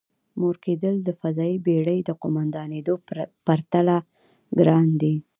مور کېدل د فضايي بېړۍ د قوماندانېدو پرتله ګران دی.